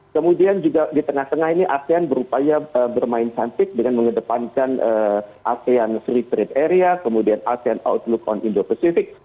kemudian juga di tengah tengah ini asean berupaya bermain cantik dengan mengedepankan asean free trade area kemudian asean outlook on indo pacific